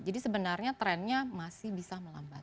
jadi sebenarnya trennya masih bisa melambat